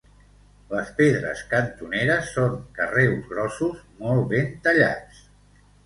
Les pedres cantoneres són carreus grossos molt ben tallats.